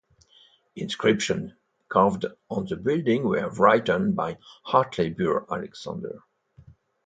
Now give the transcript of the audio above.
Inscriptions carved on the building were written by Hartley Burr Alexander.